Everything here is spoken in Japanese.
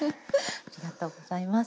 ありがとうございます。